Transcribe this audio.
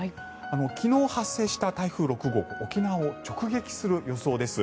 昨日発生した台風６号は沖縄を直撃する予想です。